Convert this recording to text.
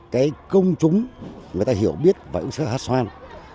cái công chúng người ta hiểu biết và ứng xác hát xoan